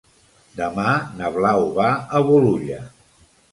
Demà na Blau va a Bolulla.